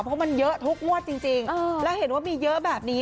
เพราะมันเยอะทุกงวดจริงแล้วเห็นว่ามีเยอะแบบนี้